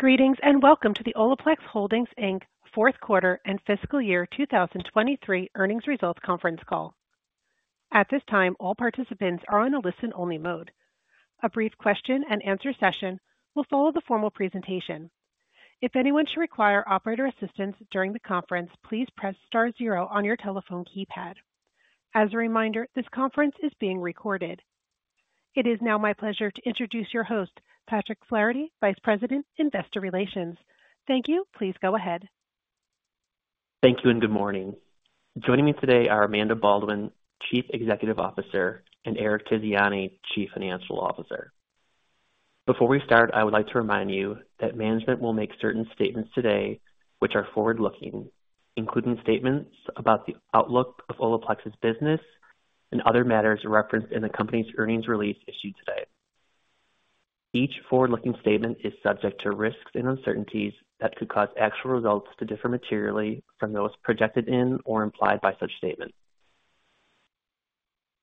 Greetings and welcome to the Olaplex Holdings, Inc., Q4 and Fiscal Year 2023 earnings results conference call. At this time, all participants are on a listen-only mode. A brief question-and-answer session will follow the formal presentation. If anyone should require operator assistance during the conference, please press star zero on your telephone keypad. As a reminder, this conference is being recorded. It is now my pleasure to introduce your host, Patrick Flaherty, Vice President, Investor Relations. Thank you. Please go ahead. Thank you and good morning. Joining me today are Amanda Baldwin, Chief Executive Officer, and Eric Tiziani, Chief Financial Officer. Before we start, I would like to remind you that management will make certain statements today which are forward-looking, including statements about the outlook of Olaplex's business and other matters referenced in the company's earnings release issued today. Each forward-looking statement is subject to risks and uncertainties that could cause actual results to differ materially from those projected in or implied by such statements.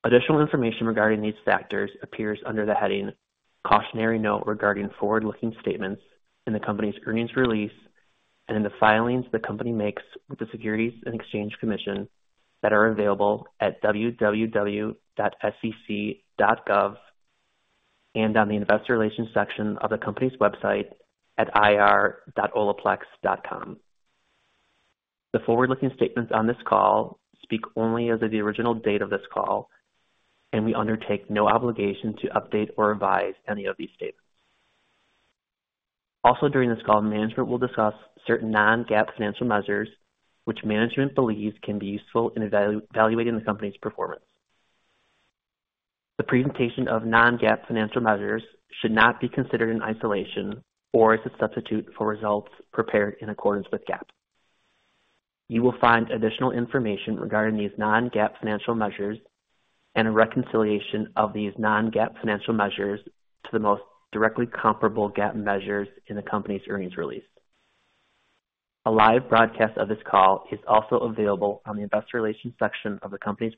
Additional information regarding these factors appears under the heading "Cautionary Note Regarding Forward-Looking Statements in the Company's Earnings Release and in the Filings the Company Makes with the Securities and Exchange Commission" that are available at www.sec.gov and on the investor relations section of the company's website at ir.olaplex.com. The forward-looking statements on this call speak only as of the original date of this call, and we undertake no obligation to update or revise any of these statements. Also during this call, management will discuss certain non-GAAP financial measures which management believes can be useful in evaluating the company's performance. The presentation of non-GAAP financial measures should not be considered in isolation or as a substitute for results prepared in accordance with GAAP. You will find additional information regarding these non-GAAP financial measures and a reconciliation of these non-GAAP financial measures to the most directly comparable GAAP measures in the company's earnings release. A live broadcast of this call is also available on the Investor Relations section of the company's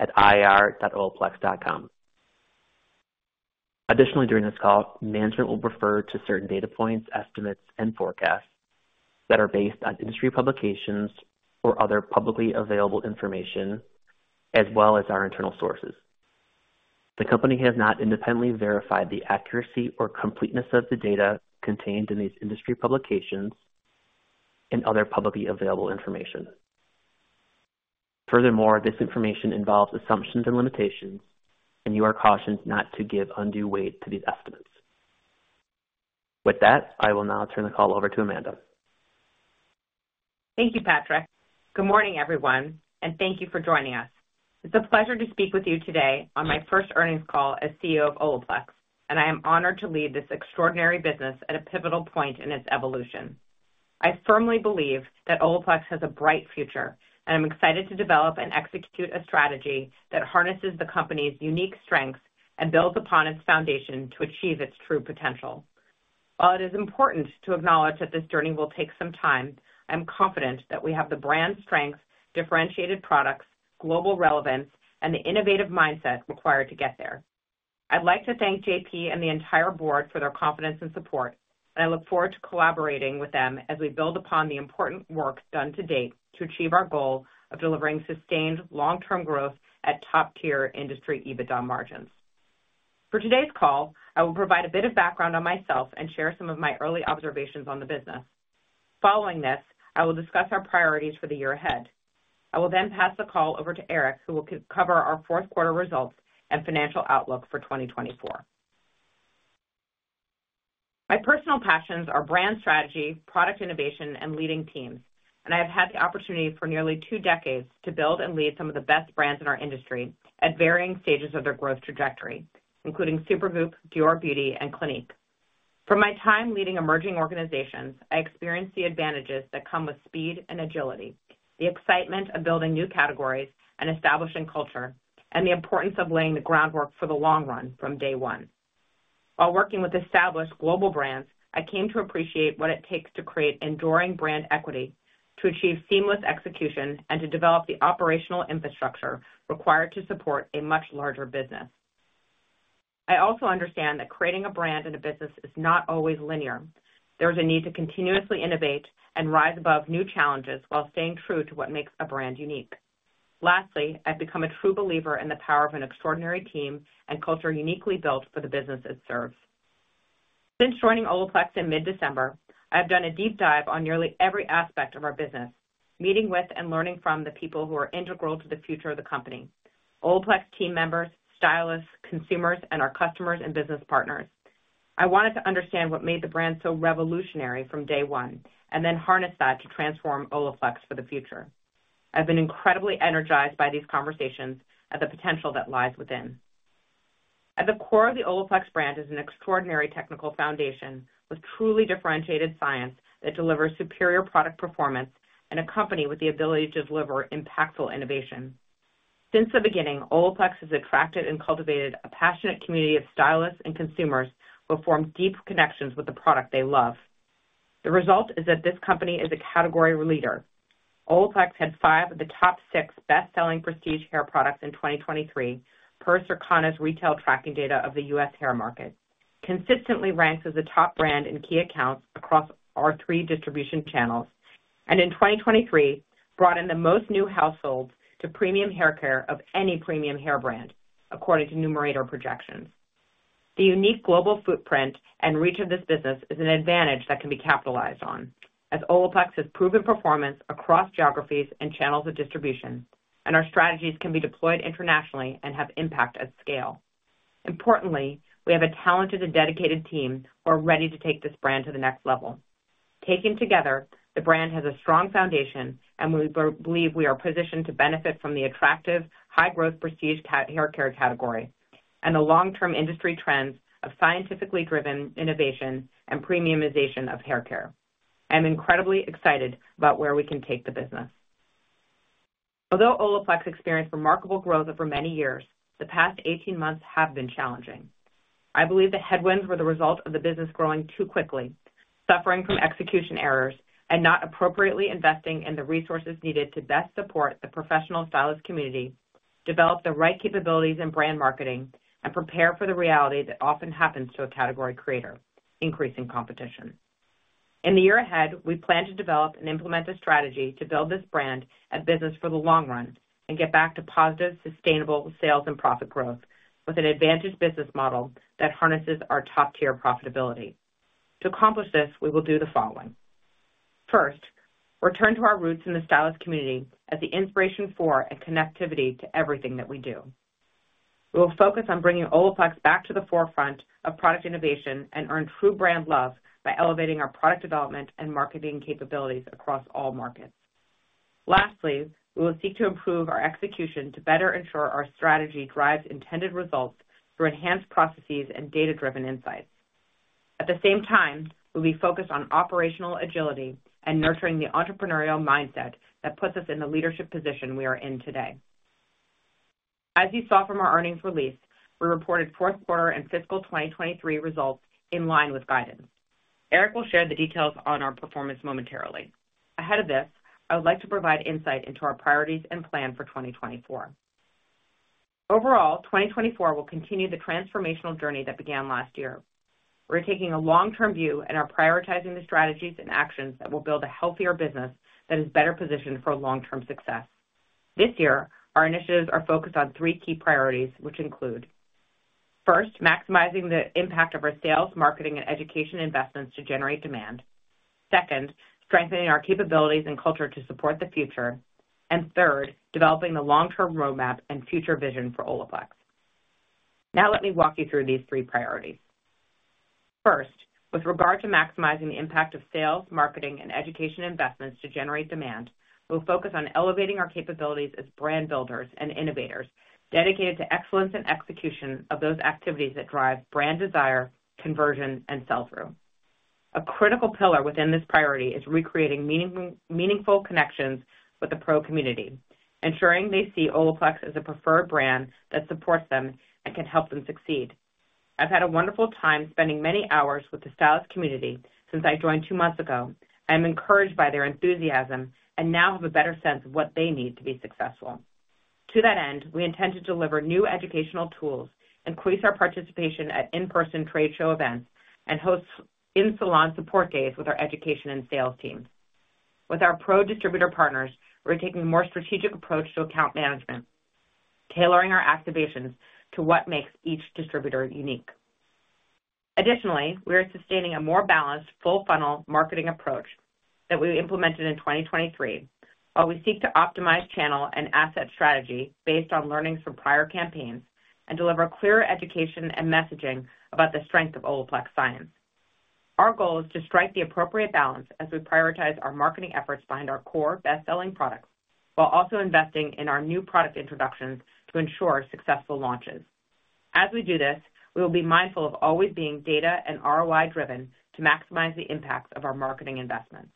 website at ir.olaplex.com. Additionally, during this call, management will refer to certain data points, estimates, and forecasts that are based on industry publications or other publicly available information, as well as our internal sources. The company has not independently verified the accuracy or completeness of the data contained in these industry publications and other publicly available information. Furthermore, this information involves assumptions and limitations, and you are cautioned not to give undue weight to these estimates. With that, I will now turn the call over to Amanda. Thank you, Patrick. Good morning, everyone, and thank you for joining us. It's a pleasure to speak with you today on my first earnings call as CEO of Olaplex, and I am honored to lead this extraordinary business at a pivotal point in its evolution. I firmly believe that Olaplex has a bright future, and I'm excited to develop and execute a strategy that harnesses the company's unique strengths and builds upon its foundation to achieve its true potential. While it is important to acknowledge that this journey will take some time, I'm confident that we have the brand strengths, differentiated products, global relevance, and the innovative mindset required to get there. I'd like to thank JP and the entire board for their confidence and support, and I look forward to collaborating with them as we build upon the important work done to date to achieve our goal of delivering sustained long-term growth at top-tier industry EBITDA margins. For today's call, I will provide a bit of background on myself and share some of my early observations on the business. Following this, I will discuss our priorities for the year ahead. I will then pass the call over to Eric, who will cover our Q4 results and financial outlook for 2024. My personal passions are brand strategy, product innovation, and leading teams, and I have had the opportunity for nearly two decades to build and lead some of the best brands in our industry at varying stages of their growth trajectory, including Supergoop, Dior Beauty, and Clinique. From my time leading emerging organizations, I experienced the advantages that come with speed and agility, the excitement of building new categories and establishing culture, and the importance of laying the groundwork for the long run from day one. While working with established global brands, I came to appreciate what it takes to create enduring brand equity, to achieve seamless execution, and to develop the operational infrastructure required to support a much larger business. I also understand that creating a brand and a business is not always linear. There is a need to continuously innovate and rise above new challenges while staying true to what makes a brand unique. Lastly, I've become a true believer in the power of an extraordinary team and culture uniquely built for the business it serves. Since joining Olaplex in mid-December, I have done a deep dive on nearly every aspect of our business, meeting with and learning from the people who are integral to the future of the company: Olaplex team members, stylists, consumers, and our customers and business partners. I wanted to understand what made the brand so revolutionary from day one and then harness that to transform Olaplex for the future. I've been incredibly energized by these conversations and the potential that lies within. At the core of the Olaplex brand is an extraordinary technical foundation with truly differentiated science that delivers superior product performance and a company with the ability to deliver impactful innovation. Since the beginning, Olaplex has attracted and cultivated a passionate community of stylists and consumers who have formed deep connections with the product they love. The result is that this company is a category leader. Olaplex had five of the top six best-selling prestige hair products in 2023 per Circana's retail tracking data of the U.S. hair market, consistently ranked as the top brand in key accounts across our three distribution channels, and in 2023 brought in the most new households to premium hair care of any premium hair brand, according to Numerator projections. The unique global footprint and reach of this business is an advantage that can be capitalized on, as Olaplex has proven performance across geographies and channels of distribution, and our strategies can be deployed internationally and have impact at scale. Importantly, we have a talented and dedicated team who are ready to take this brand to the next level. Taken together, the brand has a strong foundation, and we believe we are positioned to benefit from the attractive, high-growth prestige hair care category and the long-term industry trends of scientifically driven innovation and premiumization of hair care. I am incredibly excited about where we can take the business. Although Olaplex experienced remarkable growth over many years, the past 18 months have been challenging. I believe the headwinds were the result of the business growing too quickly, suffering from execution errors, and not appropriately investing in the resources needed to best support the professional stylist community, develop the right capabilities in brand marketing, and prepare for the reality that often happens to a category creator: increasing competition. In the year ahead, we plan to develop and implement a strategy to build this brand at business for the long run and get back to positive, sustainable sales and profit growth with an advantaged business model that harnesses our top-tier profitability. To accomplish this, we will do the following. First, return to our roots in the stylist community as the inspiration for and connectivity to everything that we do. We will focus on bringing Olaplex back to the forefront of product innovation and earn true brand love by elevating our product development and marketing capabilities across all markets. Lastly, we will seek to improve our execution to better ensure our strategy drives intended results through enhanced processes and data-driven insights. At the same time, we'll be focused on operational agility and nurturing the entrepreneurial mindset that puts us in the leadership position we are in today. As you saw from our earnings release, we reported Q4 and Fiscal 2023 Results in line with guidance. Eric will share the details on our performance momentarily. Ahead of this, I would like to provide insight into our priorities and plan for 2024. Overall, 2024 will continue the transformational journey that began last year. We're taking a long-term view and are prioritizing the strategies and actions that will build a healthier business that is better positioned for long-term success. This year, our initiatives are focused on three key priorities, which include: first, maximizing the impact of our sales, marketing, and education investments to generate demand, second, strengthening our capabilities and culture to support the future, and third, developing the long-term roadmap and future vision for Olaplex. Now let me walk you through these three priorities. First, with regard to maximizing the impact of sales, marketing, and education investments to generate demand, we'll focus on elevating our capabilities as brand builders and innovators dedicated to excellence and execution of those activities that drive brand desire, conversion, and sell-through. A critical pillar within this priority is recreating meaningful connections with the pro community, ensuring they see Olaplex as a preferred brand that supports them and can help them succeed. I've had a wonderful time spending many hours with the stylist community since I joined two months ago. I am encouraged by their enthusiasm and now have a better sense of what they need to be successful. To that end, we intend to deliver new educational tools, increase our participation at in-person trade show events, and host in-salon support days with our education and sales teams. With our pro distributor partners, we're taking a more strategic approach to account management, tailoring our activations to what makes each distributor unique. Additionally, we are sustaining a more balanced, full-funnel marketing approach that we implemented in 2023, while we seek to optimize channel and asset strategy based on learnings from prior campaigns and deliver clearer education and messaging about the strength of Olaplex science. Our goal is to strike the appropriate balance as we prioritize our marketing efforts behind our core best-selling products while also investing in our new product introductions to ensure successful launches. As we do this, we will be mindful of always being data and ROI-driven to maximize the impacts of our marketing investments.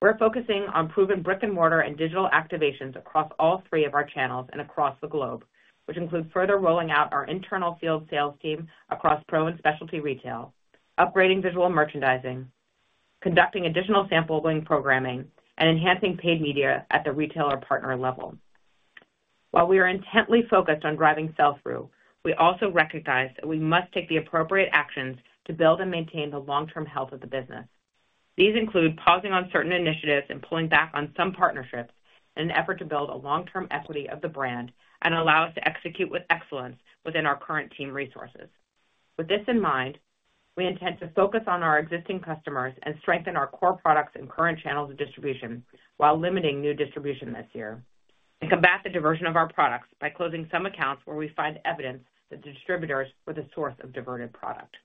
We're focusing on proven brick-and-mortar and digital activations across all three of our channels and across the globe, which include further rolling out our internal field sales team across pro and specialty retail, upgrading visual merchandising, conducting additional sampling programming, and enhancing paid media at the retailer partner level. While we are intently focused on driving sell-through, we also recognize that we must take the appropriate actions to build and maintain the long-term health of the business. These include pausing on certain initiatives and pulling back on some partnerships in an effort to build a long-term equity of the brand and allow us to execute with excellence within our current team resources. With this in mind, we intend to focus on our existing customers and strengthen our core products and current channels of distribution while limiting new distribution this year and combat the diversion of our products by closing some accounts where we find evidence that the distributors were the source of diverted product.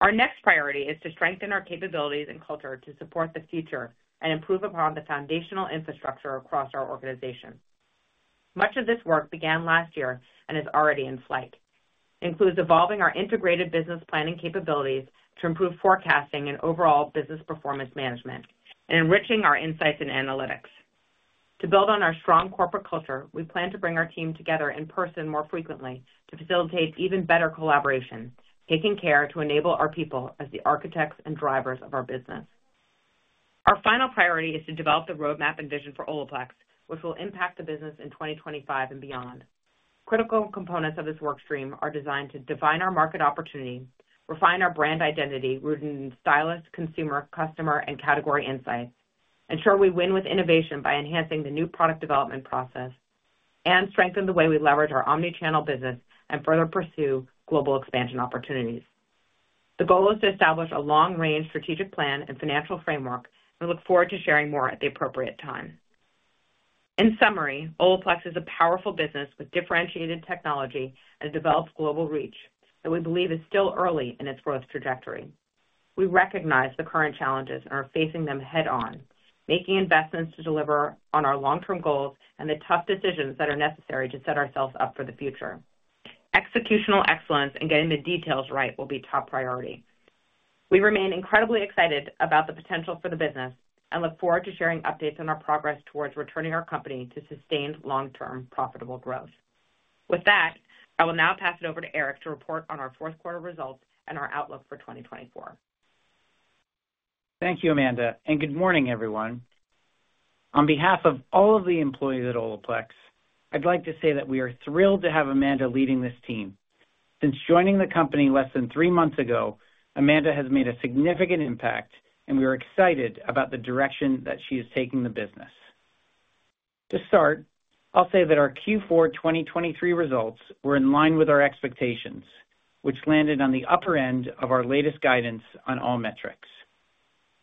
Our next priority is to strengthen our capabilities and culture to support the future and improve upon the foundational infrastructure across our organization. Much of this work began last year and is already in flight. It includes evolving our integrated business planning capabilities to improve forecasting and overall business performance management and enriching our insights and analytics. To build on our strong corporate culture, we plan to bring our team together in person more frequently to facilitate even better collaboration, taking care to enable our people as the architects and drivers of our business. Our final priority is to develop the roadmap and vision for Olaplex, which will impact the business in 2025 and beyond. Critical components of this workstream are designed to define our market opportunity, refine our brand identity rooted in stylist, consumer, customer, and category insights, ensure we win with innovation by enhancing the new product development process, and strengthen the way we leverage our omnichannel business and further pursue global expansion opportunities. The goal is to establish a long-range strategic plan and financial framework and look forward to sharing more at the appropriate time. In summary, Olaplex is a powerful business with differentiated technology and a developed global reach that we believe is still early in its growth trajectory. We recognize the current challenges and are facing them head-on, making investments to deliver on our long-term goals and the tough decisions that are necessary to set ourselves up for the future. Executional excellence and getting the details right will be top priority. We remain incredibly excited about the potential for the business and look forward to sharing updates on our progress towards returning our company to sustained long-term profitable growth. With that, I will now pass it over to Eric to report on our Q4 results and our outlook for 2024. Thank you, Amanda, and good morning, everyone. On behalf of all of the employees at Olaplex, I'd like to say that we are thrilled to have Amanda leading this team. Since joining the company less than three months ago, Amanda has made a significant impact, and we are excited about the direction that she is taking the business. To start, I'll say that our Q4 2023 results were in line with our expectations, which landed on the upper end of our latest guidance on all metrics.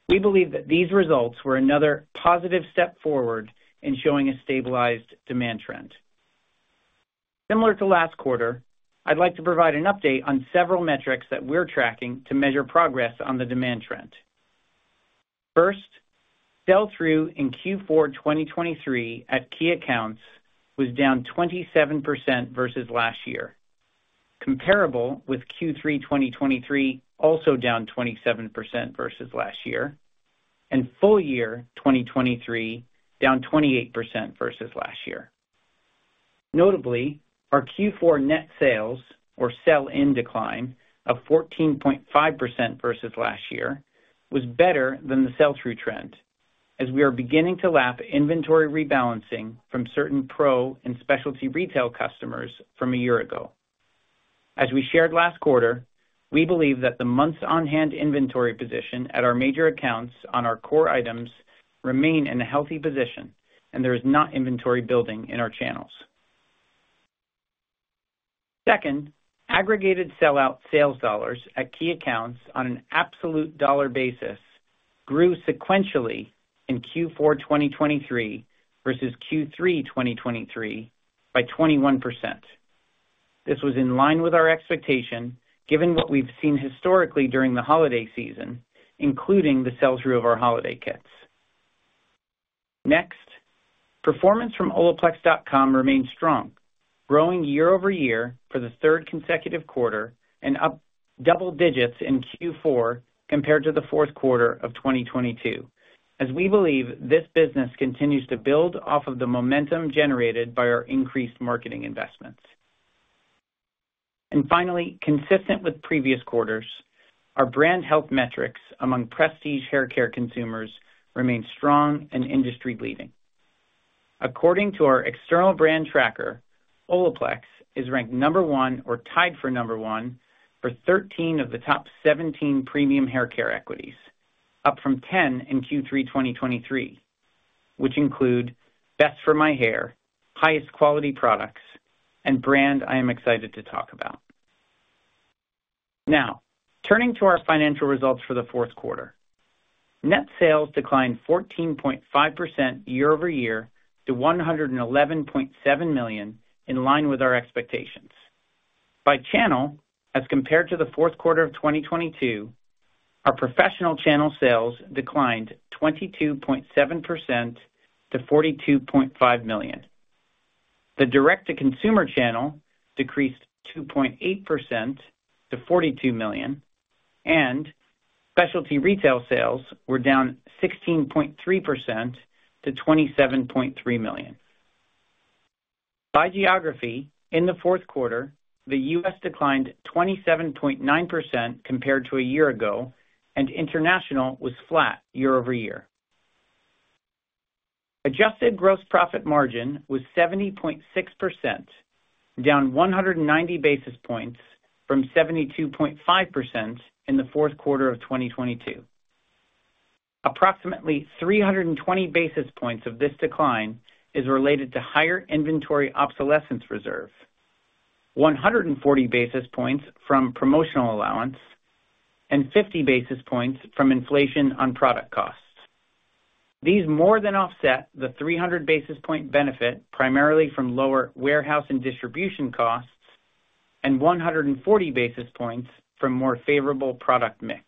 We believe that these results were another positive step forward in showing a stabilized demand trend. Similar to last quarter, I'd like to provide an update on several metrics that we're tracking to measure progress on the demand trend. First, sell-through in Q4 2023 at key accounts was down 27% versus last year, comparable with Q3 2023 also down 27% versus last year, and full year 2023 down 28% versus last year. Notably, our Q4 net sales, or sell-in, decline of 14.5% versus last year, was better than the sell-through trend, as we are beginning to lap inventory rebalancing from certain pro and specialty retail customers from a year ago. As we shared last quarter, we believe that the months-on-hand inventory position at our major accounts on our core items remains in a healthy position, and there is not inventory building in our channels. Second, aggregated sell-out sales dollars at key accounts on an absolute dollar basis grew sequentially in Q4 2023 versus Q3 2023 by 21%. This was in line with our expectation given what we've seen historically during the holiday season, including the sell-through of our holiday kits. Next, performance from olaplex.com remains strong, growing year-over-year for the third consecutive quarter and up double digits in Q4 compared to the Q4 of 2022, as we believe this business continues to build off of the momentum generated by our increased marketing investments. Finally, consistent with previous quarters, our brand health metrics among prestige hair care consumers remain strong and industry-leading. According to our external brand tracker, Olaplex is ranked number one or tied for number one for 13 of the top 17 premium hair care equities, up from 10 in Q3 2023, which include best for my hair, highest quality products, and brand I am excited to talk about. Now, turning to our financial results for the Q4. Net sales declined 14.5% year-over-year to $111.7 million, in line with our expectations. By channel, as compared to the Q4 of 2022, our professional channel sales declined 22.7% to $42.5 million. The direct-to-consumer channel decreased 2.8% to $42 million, and specialty retail sales were down 16.3% to $27.3 million. By geography, in the Q4, the U.S. declined 27.9% compared to a year ago, and international was flat year-over-year. Adjusted gross profit margin was 70.6%, down 190 basis points from 72.5% in the Q4 of 2022. Approximately 320 basis points of this decline is related to higher inventory obsolescence reserve, 140 basis points from promotional allowance, and 50 basis points from inflation on product costs. These more than offset the 300 basis point benefit primarily from lower warehouse and distribution costs and 140 basis points from more favorable product mix.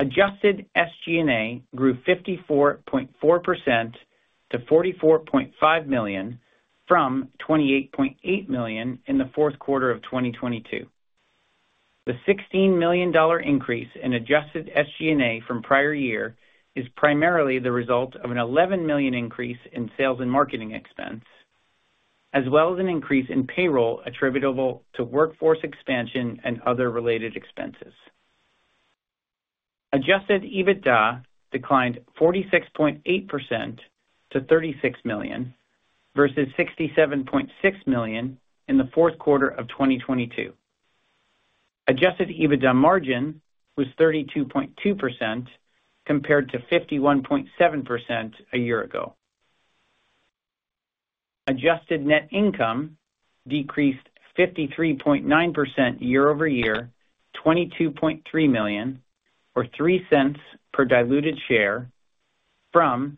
Adjusted SG&A grew 54.4% to $44.5 million from $28.8 million in the Q4 of 2022. The $16 million increase in adjusted SG&A from prior year is primarily the result of an $11 million increase in sales and marketing expense, as well as an increase in payroll attributable to workforce expansion and other related expenses. Adjusted EBITDA declined 46.8% to $36 million versus $67.6 million in the Q4 of 2022. Adjusted EBITDA margin was 32.2% compared to 51.7% a year ago. Adjusted net income decreased 53.9% year-over-year, $22.3 million or $0.03 per diluted share, from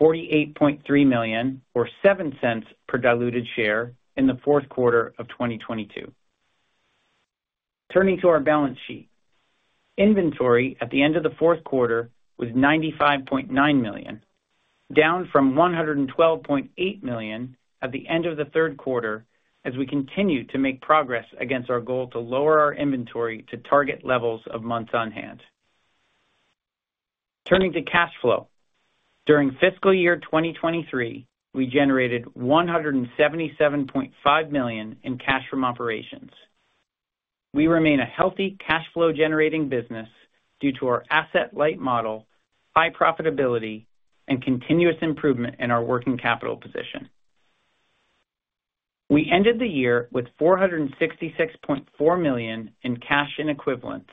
$48.3 million or $0.07 per diluted share in the Q4 of 2022. Turning to our balance sheet. Inventory at the end of the Q4 was $95.9 million, down from $112.8 million at the end of the Q3 as we continue to make progress against our goal to lower our inventory to target levels of months-on-hand. Turning to cash flow. During fiscal year 2023, we generated $177.5 million in cash from operations. We remain a healthy cash flow-generating business due to our asset-light model, high profitability, and continuous improvement in our working capital position. We ended the year with $466.4 million in cash and equivalents,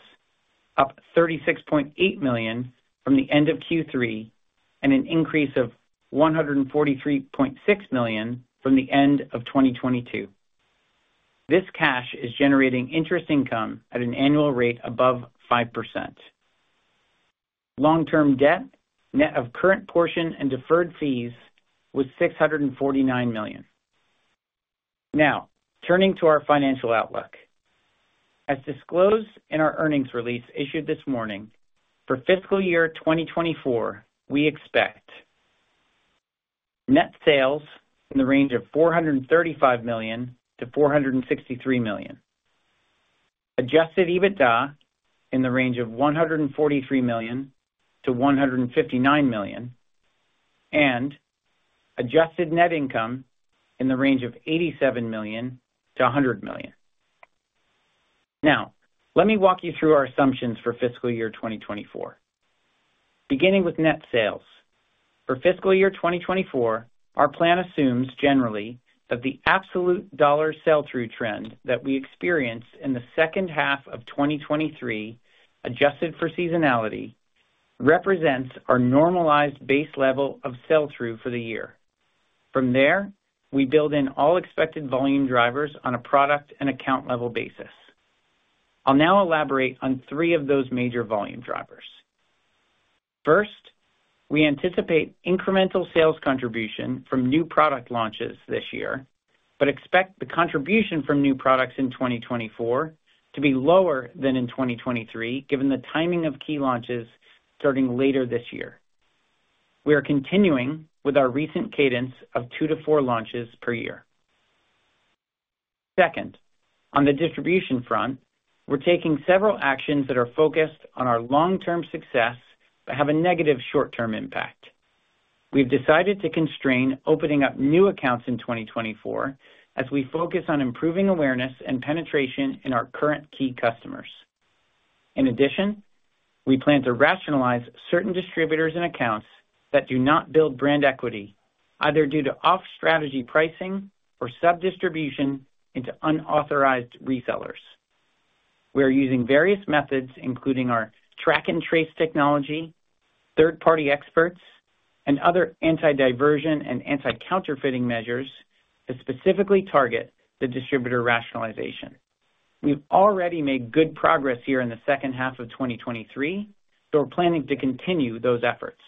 up $36.8 million from the end of Q3 and an increase of $143.6 million from the end of 2022. This cash is generating interest income at an annual rate above 5%. Long-term debt, net of current portion and deferred fees, was $649 million. Now, turning to our financial outlook. As disclosed in our earnings release issued this morning, for fiscal year 2024, we expect net sales in the range of $435 million-$463 million, Adjusted EBITDA in the range of $143 million-$159 million, and adjusted net income in the range of $87 million-$100 million. Now, let me walk you through our assumptions for fiscal year 2024. Beginning with net sales. For fiscal year 2024, our plan assumes, generally, that the absolute dollar sell-through trend that we experience in the second half of 2023, adjusted for seasonality, represents our normalized base level of sell-through for the year. From there, we build in all expected volume drivers on a product and account level basis. I'll now elaborate on three of those major volume drivers. First, we anticipate incremental sales contribution from new product launches this year but expect the contribution from new products in 2024 to be lower than in 2023 given the timing of key launches starting later this year. We are continuing with our recent cadence of two-four launches per year. Second, on the distribution front, we're taking several actions that are focused on our long-term success but have a negative short-term impact. We've decided to constrain opening up new accounts in 2024 as we focus on improving awareness and penetration in our current key customers. In addition, we plan to rationalize certain distributors and accounts that do not build brand equity, either due to off-strategy pricing or sub-distribution into unauthorized resellers. We are using various methods, including our track-and-trace technology, third-party experts, and other anti-diversion and anti-counterfeiting measures to specifically target the distributor rationalization. We've already made good progress here in the second half of 2023, so we're planning to continue those efforts.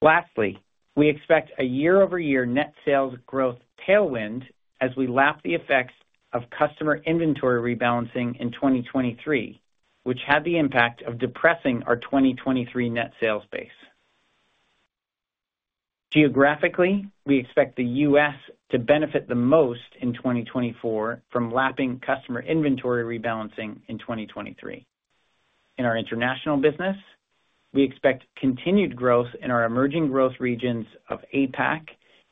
Lastly, we expect a year-over-year net sales growth tailwind as we lap the effects of customer inventory rebalancing in 2023, which had the impact of depressing our 2023 net sales base. Geographically, we expect the U.S. to benefit the most in 2024 from lapping customer inventory rebalancing in 2023. In our international business, we expect continued growth in our emerging growth regions of APAC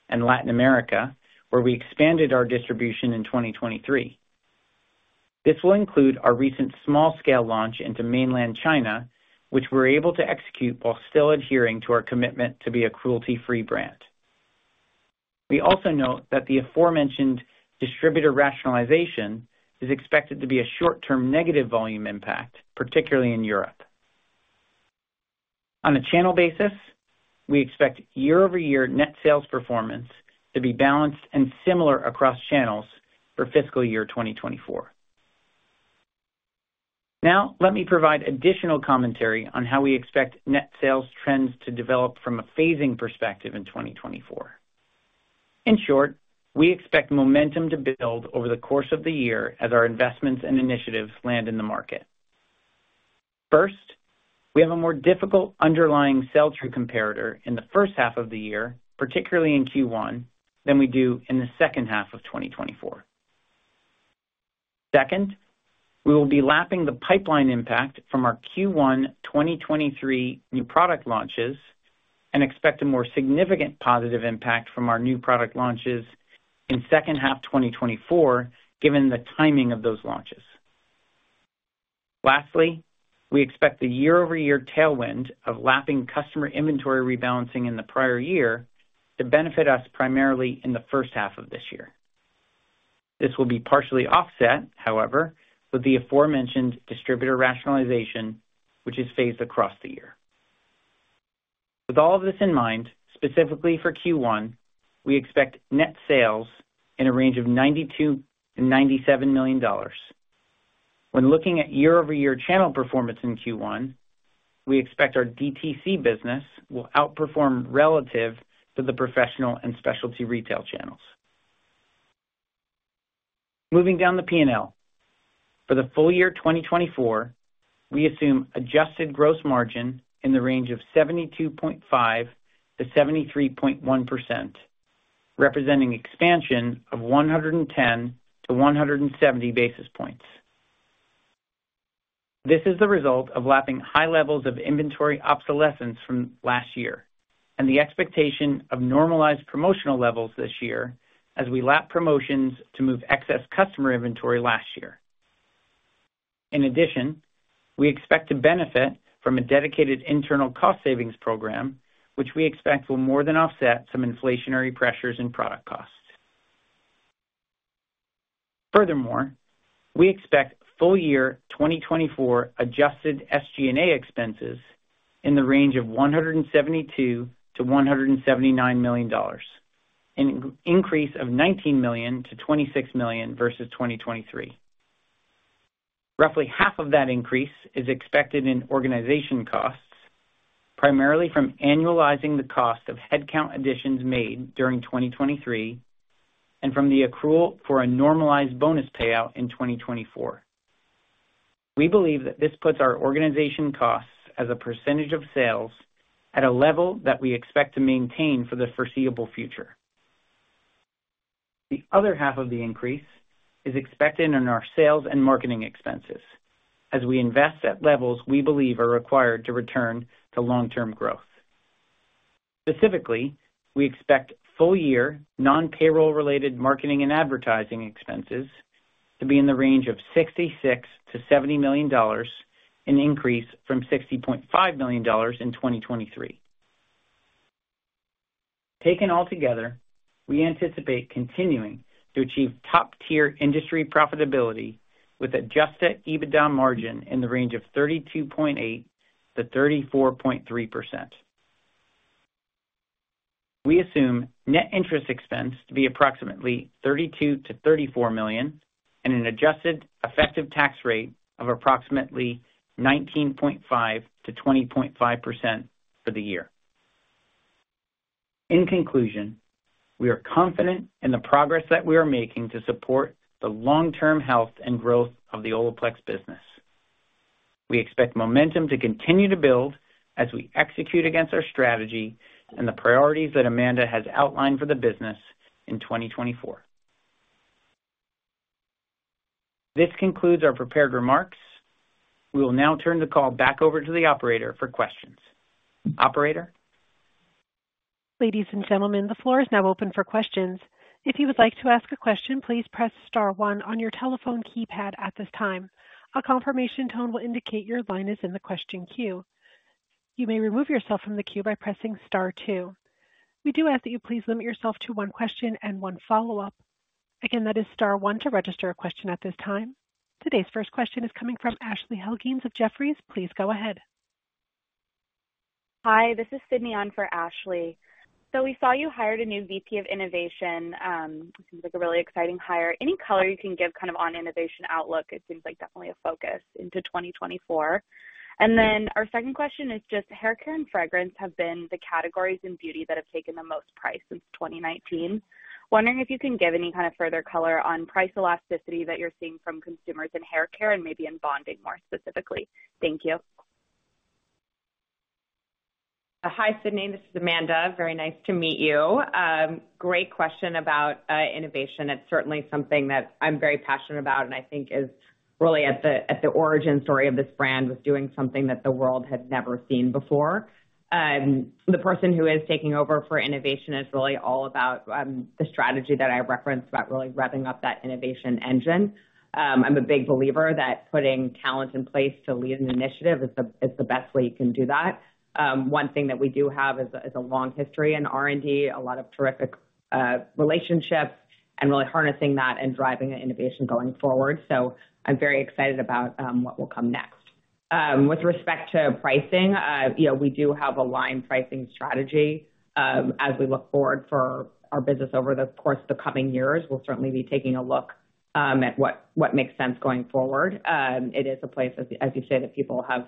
and Latin America, where we expanded our distribution in 2023. This will include our recent small-scale launch into mainland China, which we're able to execute while still adhering to our commitment to be a cruelty-free brand. We also note that the aforementioned distributor rationalization is expected to be a short-term negative volume impact, particularly in Europe. On a channel basis, we expect year-over-year net sales performance to be balanced and similar across channels for fiscal year 2024. Now, let me provide additional commentary on how we expect net sales trends to develop from a phasing perspective in 2024. In short, we expect momentum to build over the course of the year as our investments and initiatives land in the market. First, we have a more difficult underlying sell-through comparator in the first half of the year, particularly in Q1, than we do in the second half of 2024. Second, we will be lapping the pipeline impact from our Q1 2023 new product launches and expect a more significant positive impact from our new product launches in second half 2024 given the timing of those launches. Lastly, we expect the year-over-year tailwind of lapping customer inventory rebalancing in the prior year to benefit us primarily in the first half of this year. This will be partially offset, however, with the aforementioned distributor rationalization, which is phased across the year. With all of this in mind, specifically for Q1, we expect net sales in a range of $92 million-$97 million. When looking at year-over-year channel performance in Q1, we expect our DTC business will outperform relative to the professional and specialty retail channels. Moving down the P&L. For the full year 2024, we assume adjusted gross margin in the range of 72.5%-73.1%, representing expansion of 110-170 basis points. This is the result of lapping high levels of inventory obsolescence from last year and the expectation of normalized promotional levels this year as we lap promotions to move excess customer inventory last year. In addition, we expect to benefit from a dedicated internal cost-savings program, which we expect will more than offset some inflationary pressures in product costs. Furthermore, we expect full year 2024 adjusted SG&A expenses in the range of $172 million-$179 million, an increase of $19 million-$26 million versus 2023. Roughly half of that increase is expected in organization costs, primarily from annualizing the cost of headcount additions made during 2023 and from the accrual for a normalized bonus payout in 2024. We believe that this puts our organization costs as a percentage of sales at a level that we expect to maintain for the foreseeable future. The other half of the increase is expected in our sales and marketing expenses as we invest at levels we believe are required to return to long-term growth. Specifically, we expect full year non-payroll-related marketing and advertising expenses to be in the range of $66 million-$70 million, an increase from $60.5 million in 2023. Taken altogether, we anticipate continuing to achieve top-tier industry profitability with Adjusted EBITDA margin in the range of 32.8%-34.3%. We assume net interest expense to be approximately $32 million-$34 million and an adjusted effective tax rate of approximately 19.5%-20.5% for the year. In conclusion, we are confident in the progress that we are making to support the long-term health and growth of the Olaplex business. We expect momentum to continue to build as we execute against our strategy and the priorities that Amanda has outlined for the business in 2024. This concludes our prepared remarks. We will now turn the call back over to the operator for questions. Operator? Ladies and gentlemen, the floor is now open for questions. If you would like to ask a question, please press star one on your telephone keypad at this time. A confirmation tone will indicate your line is in the question queue. You may remove yourself from the queue by pressing star two. We do ask that you please limit yourself to one question and one follow-up. Again, that is star one to register a question at this time. Today's first question is coming from Ashley Helgans of Jefferies. Please go ahead. Hi, this is Sydney on for Ashley. So we saw you hired a new VP of innovation. Seems like a really exciting hire. Any color you can give kind of on innovation outlook? It seems like definitely a focus into 2024. And then our second question is just hair care and fragrance have been the categories in beauty that have taken the most price since 2019. Wondering if you can give any kind of further color on price elasticity that you're seeing from consumers in hair care and maybe in bonding more specifically. Thank you. Hi, Sydney. This is Amanda. Very nice to meet you. Great question about innovation. It's certainly something that I'm very passionate about and I think is really at the origin story of this brand with doing something that the world had never seen before. The person who is taking over for innovation is really all about the strategy that I referenced about really revving up that innovation engine. I'm a big believer that putting talent in place to lead an initiative is the best way you can do that. One thing that we do have is a long history in R&D, a lot of terrific relationships, and really harnessing that and driving innovation going forward. So I'm very excited about what will come next. With respect to pricing, we do have a line pricing strategy as we look forward for our business over the course of the coming years. We'll certainly be taking a look at what makes sense going forward. It is a place, as you say, that people have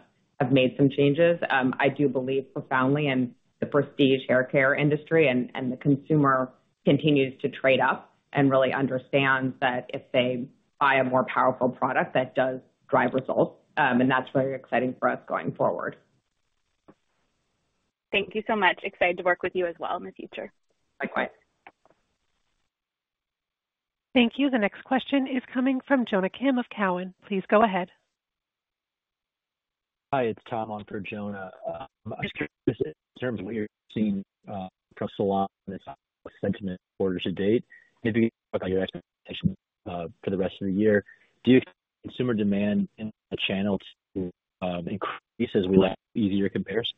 made some changes. I do believe profoundly in the prestige hair care industry and the consumer continues to trade up and really understand that if they buy a more powerful product, that does drive results. And that's very exciting for us going forward. Thank you so much. Excited to work with you as well in the future. Likewise. Thank you. The next question is coming from Jonna Kim of Cowen. Please go ahead. Hi, it's Tom on for Jonna. I'm just curious in terms of what you're seeing across salon and sentiment quarters to date. Maybe talk about your expectation for the rest of the year. Do you expect consumer demand in the channel to increase as we lap easier comparison?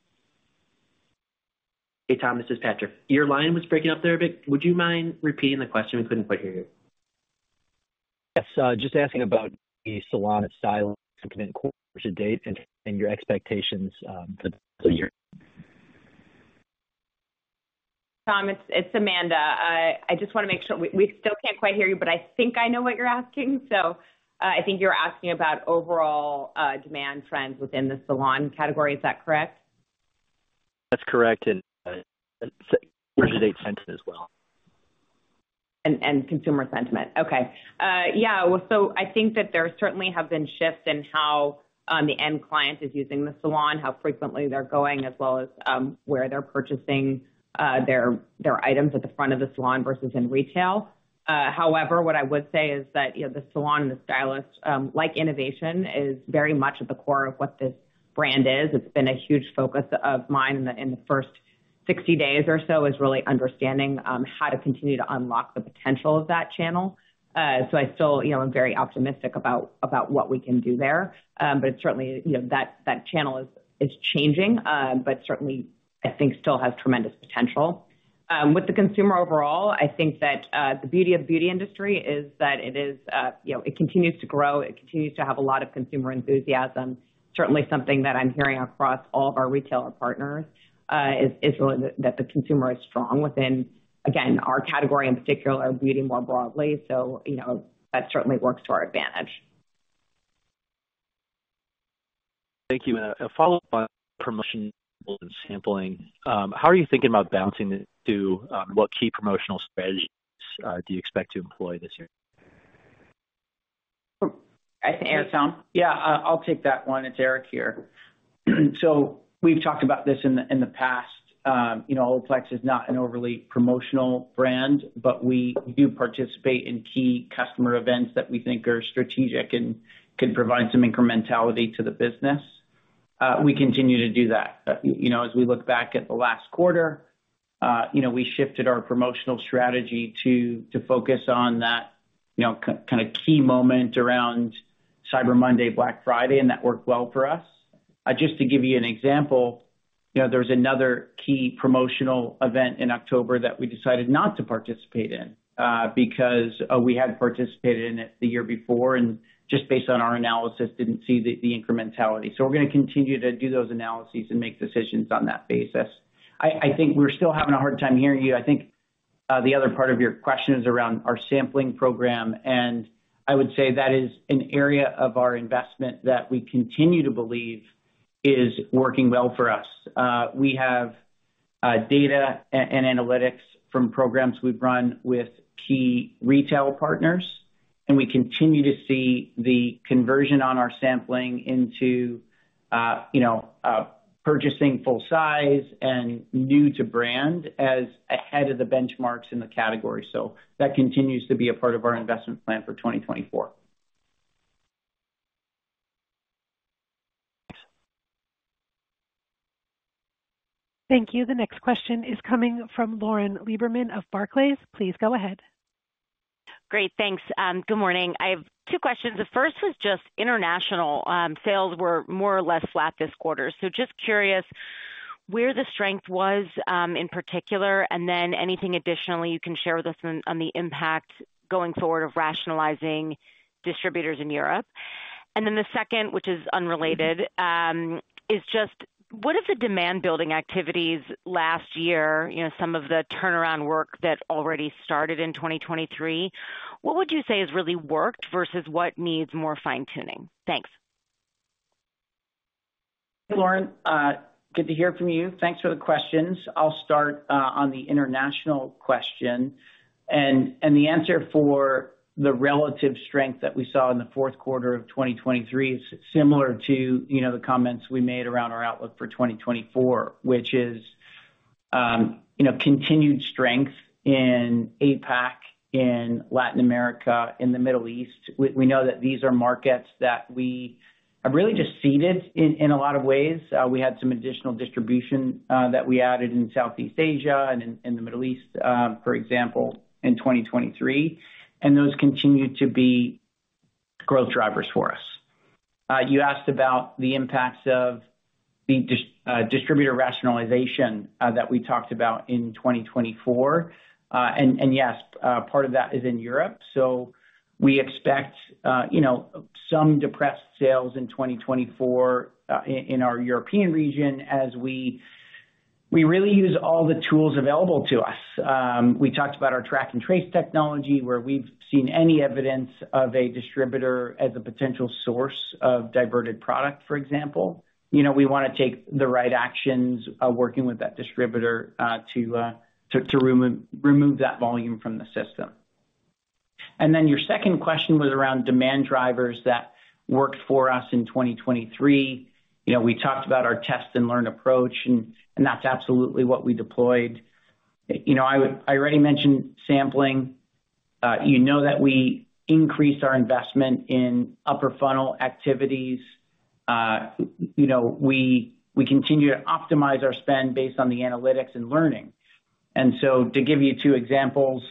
Hey, Tom. This is Patrick. Your line was breaking up there a bit. Would you mind repeating the question? We couldn't quite hear you. Yes. Just asking about the salon sell-in and sell-through quarters to date and your expectations for the year? Tom, it's Amanda. I just want to make sure we still can't quite hear you, but I think I know what you're asking. So I think you're asking about overall demand trends within the salon category. Is that correct? That's correct. And quarters to date sentiment as well. And consumer sentiment. Okay. Yeah. Well, so I think that there certainly have been shifts in how the end client is using the salon, how frequently they're going, as well as where they're purchasing their items at the front of the salon versus in retail. However, what I would say is that the salon and the stylist, like innovation, is very much at the core of what this brand is. It's been a huge focus of mine in the first 60 days or so is really understanding how to continue to unlock the potential of that channel. So I still am very optimistic about what we can do there. But certainly, that channel is changing, but certainly, I think still has tremendous potential. With the consumer overall, I think that the beauty of the beauty industry is that it continues to grow. It continues to have a lot of consumer enthusiasm. Certainly, something that I'm hearing across all of our retailer partners is that the consumer is strong within, again, our category in particular, beauty more broadly. So that certainly works to our advantage. Thank you, Amanda. A follow-up on promotional sampling. How are you thinking about balancing the two? What key promotional strategies do you expect to employ this year? I think Eric, Tom? Yeah. I'll take that one. It's Eric here. So we've talked about this in the past. Olaplex is not an overly promotional brand, but we do participate in key customer events that we think are strategic and could provide some incrementality to the business. We continue to do that. As we look back at the last quarter, we shifted our promotional strategy to focus on that kind of key moment around Cyber Monday, Black Friday, and that worked well for us. Just to give you an example, there was another key promotional event in October that we decided not to participate in because we had participated in it the year before and just based on our analysis, didn't see the incrementality. So we're going to continue to do those analyses and make decisions on that basis. I think we're still having a hard time hearing you. I think the other part of your question is around our sampling program. I would say that is an area of our investment that we continue to believe is working well for us. We have data and analytics from programs we've run with key retail partners, and we continue to see the conversion on our sampling into purchasing full-size and new-to-brand as ahead of the benchmarks in the category. That continues to be a part of our investment plan for 2024. Thanks. Thank you. The next question is coming from Lauren Lieberman of Barclays. Please go ahead. Great. Thanks. Good morning. I have two questions. The first was just international sales were more or less flat this quarter. So just curious where the strength was in particular, and then anything additionally you can share with us on the impact going forward of rationalizing distributors in Europe. And then the second, which is unrelated, is just what of the demand-building activities last year, some of the turnaround work that already started in 2023, what would you say has really worked versus what needs more fine-tuning? Thanks. Hey, Lauren. Good to hear from you. Thanks for the questions. I'll start on the international question. The answer for the relative strength that we saw in the Q4 of 2023 is similar to the comments we made around our outlook for 2024, which is continued strength in APAC, in Latin America, in the Middle East. We know that these are markets that we are really just seeded in a lot of ways. We had some additional distribution that we added in Southeast Asia and in the Middle East, for example, in 2023. Those continue to be growth drivers for us. You asked about the impacts of the distributor rationalization that we talked about in 2024. Yes, part of that is in Europe. We expect some depressed sales in 2024 in our European region as we really use all the tools available to us. We talked about our track and trace technology where we've seen any evidence of a distributor as a potential source of diverted product, for example. We want to take the right actions working with that distributor to remove that volume from the system. And then your second question was around demand drivers that worked for us in 2023. We talked about our test and learn approach, and that's absolutely what we deployed. I already mentioned sampling. You know that we increased our investment in upper funnel activities. We continue to optimize our spend based on the analytics and learning. And so to give you two examples,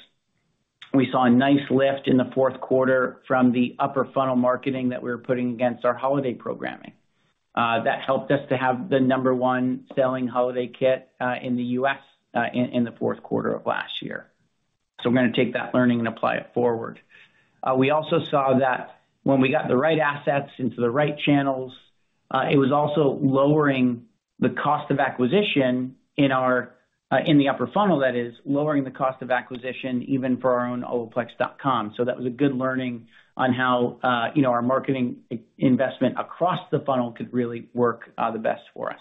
we saw a nice lift in the Q4 from the upper funnel marketing that we were putting against our holiday programming. That helped us to have the number one selling holiday kit in the U.S. in the fourth quarter of last year. We're going to take that learning and apply it forward. We also saw that when we got the right assets into the right channels, it was also lowering the cost of acquisition in the upper funnel, that is, lowering the cost of acquisition even for our own olaplex.com. That was a good learning on how our marketing investment across the funnel could really work the best for us.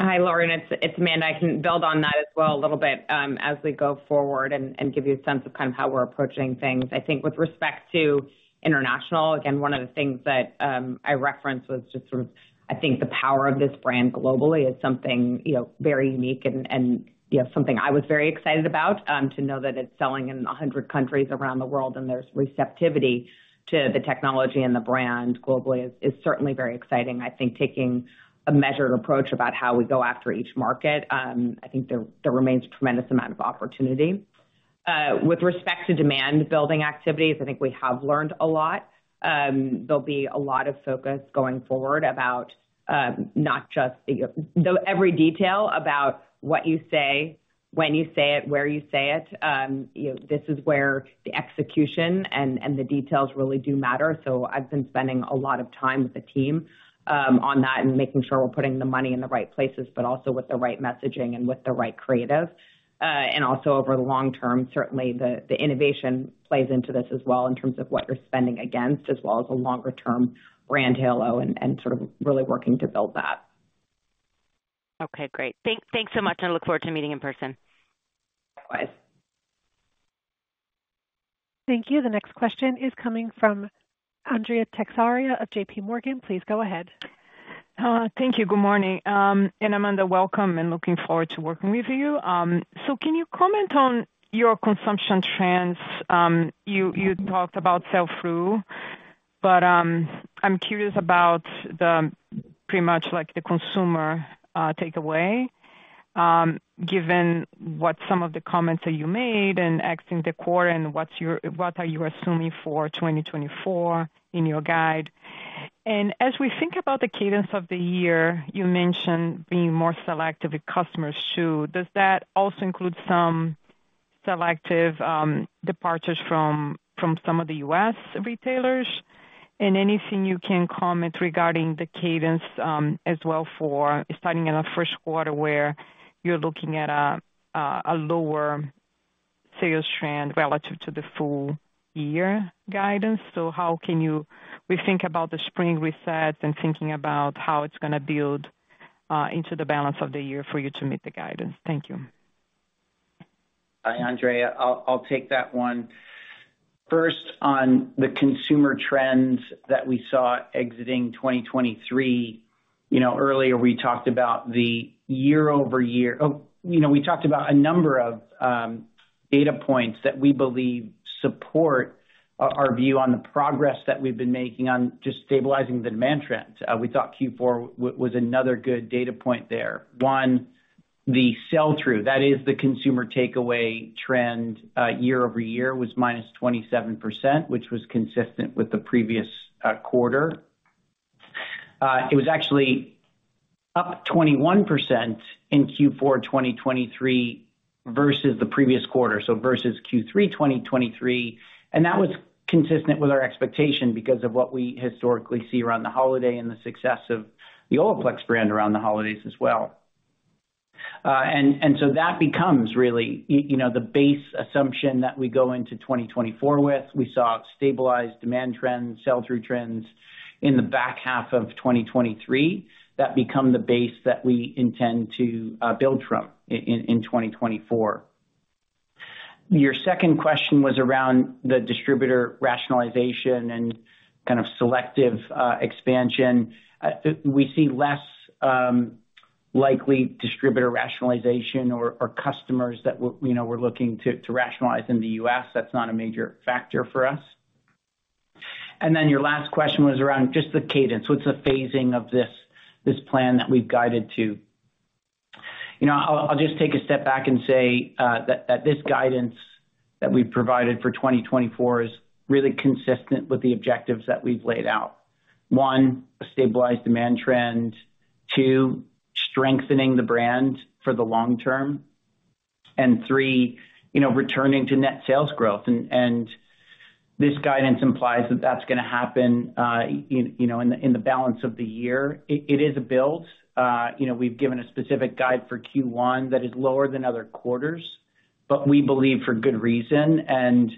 Hi, Lauren. It's Amanda. I can build on that as well a little bit as we go forward and give you a sense of kind of how we're approaching things. I think with respect to international, again, one of the things that I referenced was just sort of, I think, the power of this brand globally is something very unique and something I was very excited about to know that it's selling in 100 countries around the world and there's receptivity to the technology and the brand globally is certainly very exciting. I think taking a measured approach about how we go after each market, I think there remains a tremendous amount of opportunity. With respect to demand-building activities, I think we have learned a lot. There'll be a lot of focus going forward about not just every detail about what you say, when you say it, where you say it. This is where the execution and the details really do matter. So I've been spending a lot of time with the team on that and making sure we're putting the money in the right places, but also with the right messaging and with the right creative. And also over the long term, certainly, the innovation plays into this as well in terms of what you're spending against as well as a longer-term brand halo and sort of really working to build that. Okay. Great. Thanks so much, and I look forward to meeting in person. Likewise. Thank you. The next question is coming from Andrea Teixeira of JPMorgan. Please go ahead. Thank you. Good morning. Amanda, welcome and looking forward to working with you. Can you comment on your consumption trends? You talked about sell-through, but I'm curious about pretty much the consumer takeaway given what some of the comments that you made and asking the quarter and what are you assuming for 2024 in your guide. As we think about the cadence of the year, you mentioned being more selective with customers too. Does that also include some selective departures from some of the U.S. retailers? Anything you can comment regarding the cadence as well for starting in a Q1 where you're looking at a lower sales trend relative to the full-year guidance? How can we think about the spring reset and thinking about how it's going to build into the balance of the year for you to meet the guidance? Thank you. Hi, Andrea. I'll take that one. First, on the consumer trends that we saw exiting 2023, earlier, we talked about the year-over-year oh, we talked about a number of data points that we believe support our view on the progress that we've been making on just stabilizing the demand trend. We thought Q4 was another good data point there. One, the sell-through. That is, the consumer takeaway trend year-over-year was -27%, which was consistent with the previous quarter. It was actually up 21% in Q4 2023 versus the previous quarter, so versus Q3 2023. And that was consistent with our expectation because of what we historically see around the holiday and the success of the Olaplex brand around the holidays as well. And so that becomes really the base assumption that we go into 2024 with. We saw stabilized demand trends, sell-through trends in the back half of 2023. That becomes the base that we intend to build from in 2024. Your second question was around the distributor rationalization and kind of selective expansion. We see less likely distributor rationalization or customers that we're looking to rationalize in the U.S. That's not a major factor for us. And then your last question was around just the cadence. What's the phasing of this plan that we've guided to? I'll just take a step back and say that this guidance that we've provided for 2024 is really consistent with the objectives that we've laid out. One, a stabilized demand trend. Two, strengthening the brand for the long term. And three, returning to net sales growth. This guidance implies that that's going to happen in the balance of the year. It is a build. We've given a specific guide for Q1 that is lower than other quarters, but we believe for good reason and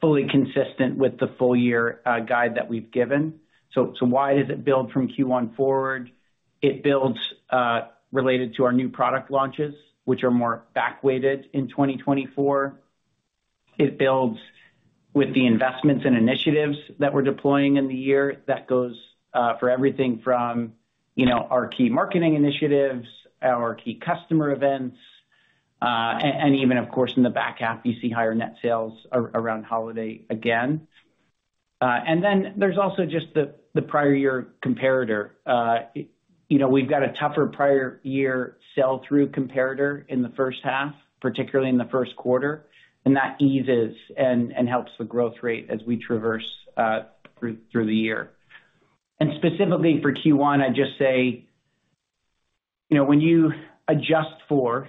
fully consistent with the full-year guide that we've given. So why does it build from Q1 forward? It builds related to our new product launches, which are more back weighted in 2024. It builds with the investments and initiatives that we're deploying in the year. That goes for everything from our key marketing initiatives, our key customer events, and even, of course, in the back half, you see higher net sales around holiday again. And then there's also just the prior year comparator. We've got a tougher prior year sell-through comparator in the first half, particularly in the Q1. And that eases and helps the growth rate as we traverse through the year. Specifically for Q1, I'd just say when you adjust for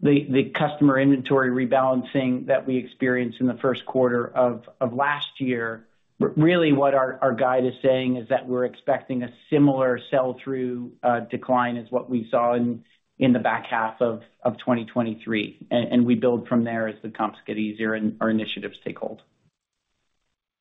the customer inventory rebalancing that we experienced in the Q1 of last year, really what our guide is saying is that we're expecting a similar sell-through decline as what we saw in the back half of 2023. We build from there as the comps get easier and our initiatives take hold.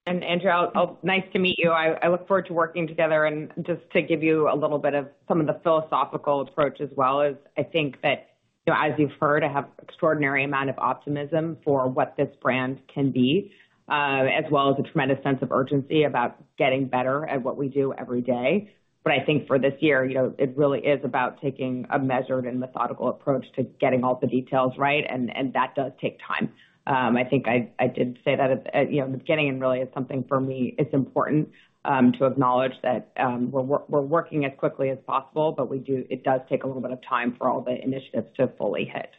And Andrea, nice to meet you. I look forward to working together and just to give you a little bit of some of the philosophical approach as well as I think that as you've heard, I have an extraordinary amount of optimism for what this brand can be as well as a tremendous sense of urgency about getting better at what we do every day. But I think for this year, it really is about taking a measured and methodical approach to getting all the details right. And that does take time. I think I did say that at the beginning and really it's something for me, it's important to acknowledge that we're working as quickly as possible, but it does take a little bit of time for all the initiatives to fully hit.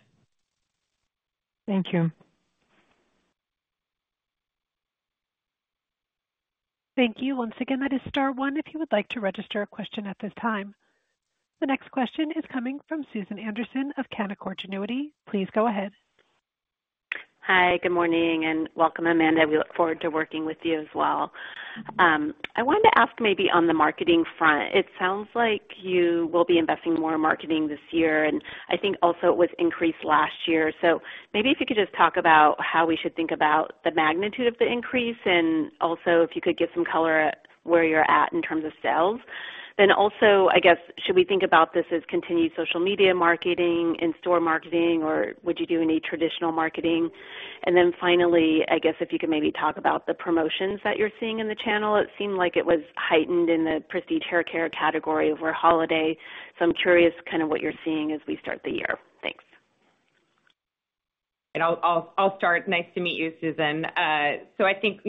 Thank you. Thank you once again. That is star one if you would like to register a question at this time. The next question is coming from Susan Anderson of Canaccord Genuity. Please go ahead. Hi. Good morning and welcome, Amanda. We look forward to working with you as well. I wanted to ask maybe on the marketing front. It sounds like you will be investing more marketing this year, and I think also it was increased last year. So maybe if you could just talk about how we should think about the magnitude of the increase and also if you could give some color at where you're at in terms of sales. Then also, I guess, should we think about this as continued social media marketing and store marketing, or would you do any traditional marketing? And then finally, I guess if you could maybe talk about the promotions that you're seeing in the channel. It seemed like it was heightened in the prestige haircare category over holiday. So I'm curious kind of what you're seeing as we start the year. Thanks. I'll start. Nice to meet you, Susan. I think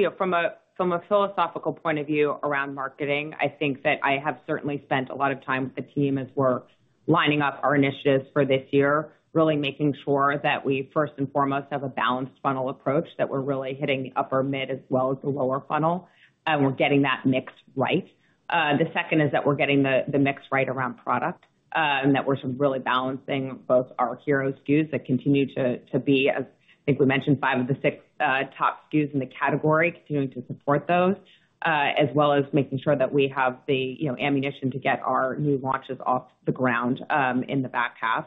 from a philosophical point of view around marketing, I think that I have certainly spent a lot of time with the team as we're lining up our initiatives for this year, really making sure that we first and foremost have a balanced funnel approach, that we're really hitting the upper mid as well as the lower funnel, and we're getting that mix right. The second is that we're getting the mix right around product and that we're really balancing both our hero SKUs that continue to be, as I think we mentioned, five of the six top SKUs in the category, continuing to support those, as well as making sure that we have the ammunition to get our new launches off the ground in the back half.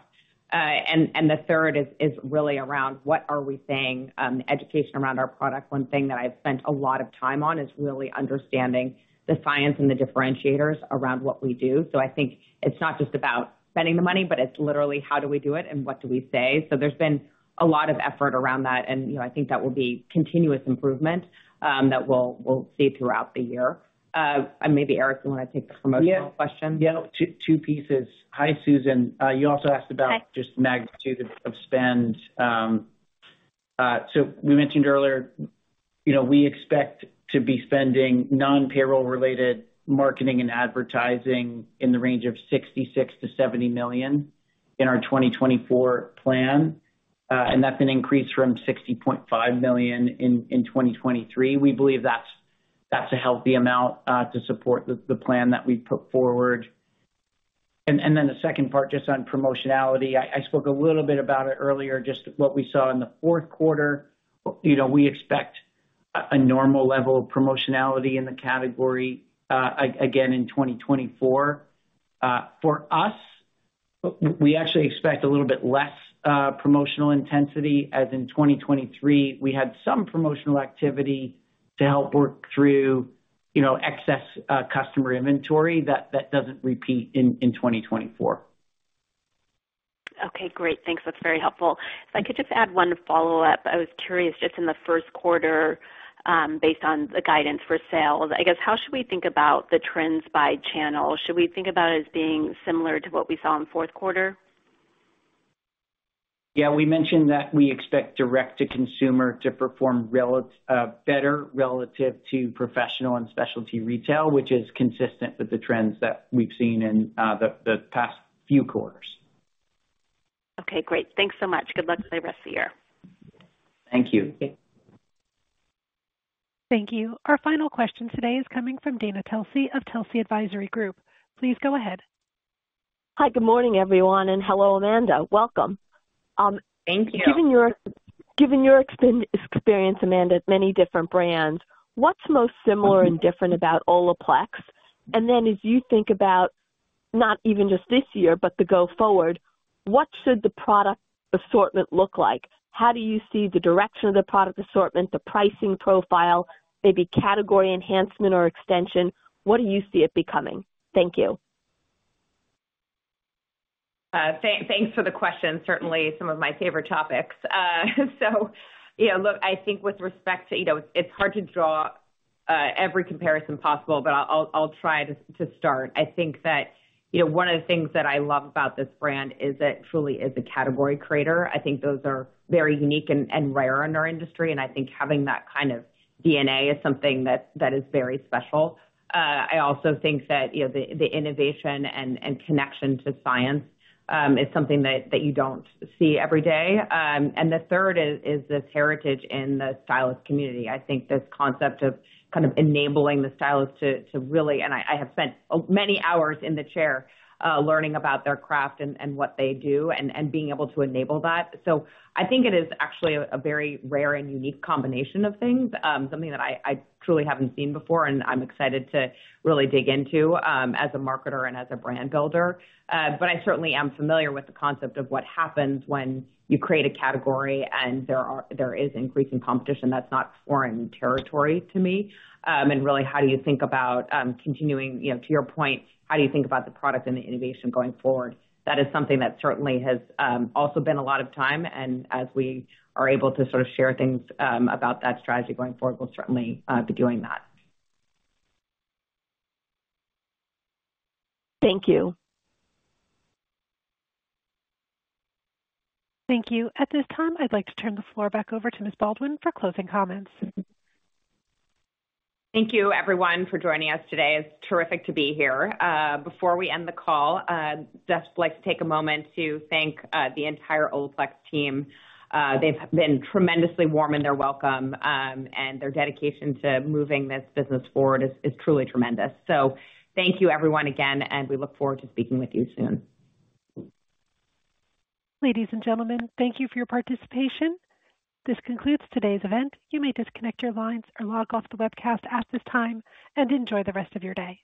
The third is really around what are we saying? Education around our product. One thing that I've spent a lot of time on is really understanding the science and the differentiators around what we do. So I think it's not just about spending the money, but it's literally how do we do it and what do we say? So there's been a lot of effort around that, and I think that will be continuous improvement that we'll see throughout the year. And maybe, Eric, you want to take the promotional question? Yeah. Two pieces. Hi, Susan. You also asked about just magnitude of spend. So we mentioned earlier we expect to be spending non-payroll-related marketing and advertising in the range of $66 million-$70 million in our 2024 plan. And that's an increase from $60.5 million in 2023. We believe that's a healthy amount to support the plan that we put forward. And then the second part just on promotionality. I spoke a little bit about it earlier, just what we saw in the Q4. We expect a normal level of promotionality in the category, again, in 2024. For us, we actually expect a little bit less promotional intensity as in 2023. We had some promotional activity to help work through excess customer inventory that doesn't repeat in 2024. Okay. Great. Thanks. That's very helpful. If I could just add one follow-up, I was curious just in the Q1 based on the guidance for sales, I guess, how should we think about the trends by channel? Should we think about it as being similar to what we saw in Q4? Yeah. We mentioned that we expect direct-to-consumer to perform better relative to professional and specialty retail, which is consistent with the trends that we've seen in the past few quarters. Okay. Great. Thanks so much. Good luck for the rest of the year. Thank you. Thank you. Our final question today is coming from Dana Telsey of Telsey Advisory Group. Please go ahead. Hi. Good morning, everyone. And hello, Amanda. Welcome. Thank you. Given your experience, Amanda, at many different brands, what's most similar and different about Olaplex? And then as you think about not even just this year, but the go forward, what should the product assortment look like? How do you see the direction of the product assortment, the pricing profile, maybe category enhancement or extension? What do you see it becoming? Thank you. Thanks for the question. Certainly, some of my favorite topics. So look, I think with respect to, it's hard to draw every comparison possible, but I'll try to start. I think that one of the things that I love about this brand is it truly is a category creator. I think those are very unique and rare in our industry. And I think having that kind of DNA is something that is very special. I also think that the innovation and connection to science is something that you don't see every day. And the third is this heritage in the stylist community. I think this concept of kind of enabling the stylist to really, and I have spent many hours in the chair learning about their craft and what they do and being able to enable that. So I think it is actually a very rare and unique combination of things, something that I truly haven't seen before, and I'm excited to really dig into as a marketer and as a brand builder. But I certainly am familiar with the concept of what happens when you create a category and there is increasing competition that's not foreign territory to me. And really, how do you think about continuing to your point, how do you think about the product and the innovation going forward? That is something that certainly has also been a lot of time. And as we are able to sort of share things about that strategy going forward, we'll certainly be doing that. Thank you. Thank you. At this time, I'd like to turn the floor back over to Ms. Baldwin for closing comments. Thank you, everyone, for joining us today. It's terrific to be here. Before we end the call, I'd just like to take a moment to thank the entire Olaplex team. They've been tremendously warm in their welcome. Their dedication to moving this business forward is truly tremendous. Thank you, everyone, again, and we look forward to speaking with you soon. Ladies and gentlemen, thank you for your participation. This concludes today's event. You may disconnect your lines or log off the webcast at this time and enjoy the rest of your day.